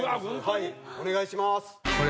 はいお願いします。